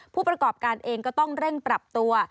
ผู้ประกอบการเองก็ต้องเร่งปรับตัว